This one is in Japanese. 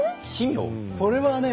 これはね